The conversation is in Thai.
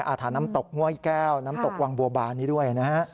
อาถรรพ์น้ำตกง่วยแก้วน้ำตกวังบัวบานด้วย